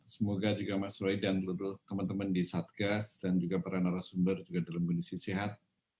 semoga juga mas roy dan teman teman di satgas dan juga para narasumber juga dalam kondisi sehat